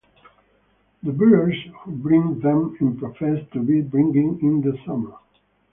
The bearers who bring them in profess to be bringing in the Summer.